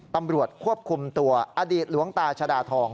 ตำรวจควบคุมตัวอดีตหลวงตาชดาทอง